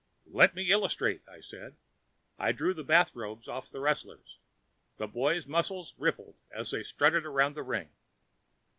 "Let me illustrate," I said. I drew the bathrobes off the wrestlers. The boys' muscles rippled as they strutted around the ring.